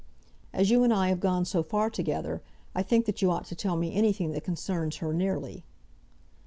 "As you and I have gone so far together, I think that you ought to tell me anything that concerns her nearly."